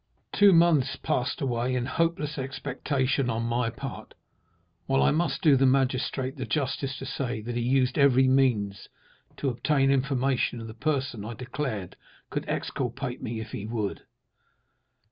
"Two months passed away in hopeless expectation on my part, while I must do the magistrate the justice to say that he used every means to obtain information of the person I declared could exculpate me if he would.